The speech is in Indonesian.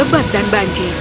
dan lebat dan banji